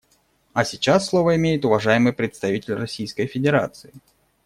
А сейчас слово имеет уважаемый представитель Российской Федерации.